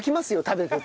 食べてて。